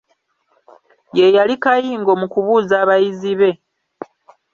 Ye yali kayingo mu kubuuza abayizi be.